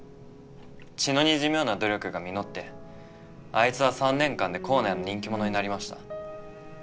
血のにじむような努力が実ってあいつは３年間で校内の人気者になりました。